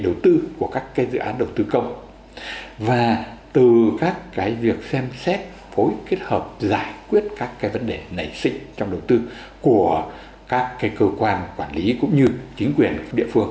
đầu tư của các dự án đầu tư công và từ các việc xem xét phối kết hợp giải quyết các cái vấn đề nảy sinh trong đầu tư của các cơ quan quản lý cũng như chính quyền địa phương